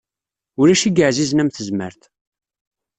Ulac i yeɛzizen am tezmert.